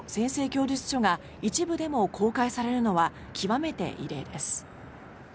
供述書が一部でも公開されるのは極めて異例です。